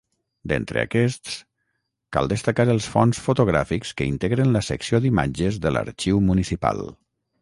D’entre aquests, cal destacar els fons fotogràfics que integren la Secció d’Imatges de l’Arxiu Municipal.